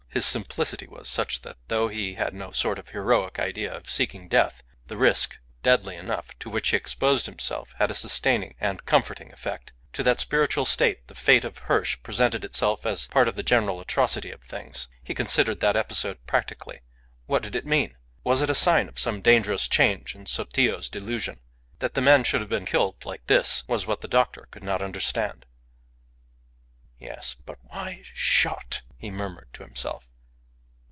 His simplicity was such that, though he had no sort of heroic idea of seeking death, the risk, deadly enough, to which he exposed himself, had a sustaining and comforting effect. To that spiritual state the fate of Hirsch presented itself as part of the general atrocity of things. He considered that episode practically. What did it mean? Was it a sign of some dangerous change in Sotillo's delusion? That the man should have been killed like this was what the doctor could not understand. "Yes. But why shot?" he murmured to himself.